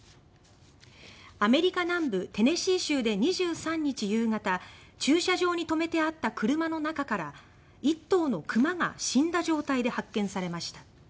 アメリカ南部テネシー州で２３日夕方駐車場に止めてあった車の中から１頭の熊が死んだ状態で発見されました。